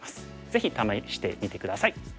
ぜひ試してみて下さい。